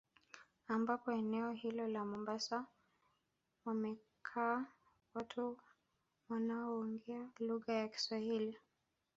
Ambapo eneo hilo la mombasa wamekaa watu wanaoonge lugha ya kiswahili